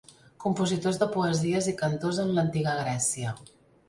Compositors de poesies i cantors en l'antiga Grècia.